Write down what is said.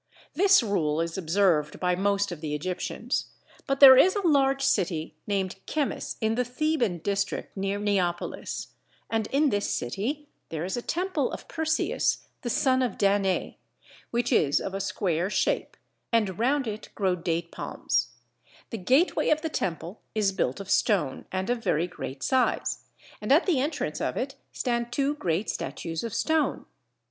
This rule is observed by most of the Egyptians; but there is a large city named Chemmis in the Theban district near Neapolis, and in this city there is a temple of Perseus the son of Danae which is of a square shape, and round it grow date palms: the gateway of the temple is built of stone and of very great size, and at the entrance of it stand two great statues of stone.